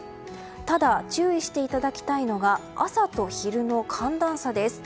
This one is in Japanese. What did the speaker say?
ただ注意していただきたいのが朝と昼の寒暖差です。